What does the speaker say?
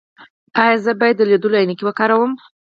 ایا زه باید د لیدلو عینکې وکاروم؟